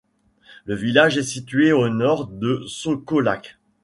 Le village est situé au nord de Sokolac.